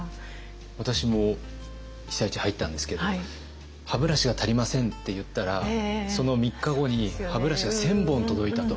私も被災地入ったんですけど「歯ブラシが足りません」って言ったらその３日後に歯ブラシが１，０００本届いたと。